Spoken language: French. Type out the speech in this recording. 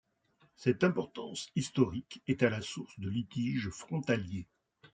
Cette importance historique est à la source de litiges frontaliers.